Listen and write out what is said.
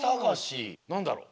なんだろう？